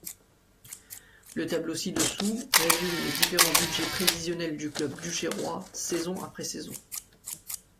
Le tableau ci-dessous résume les différents budgets prévisionnels du club duchérois saison après saison.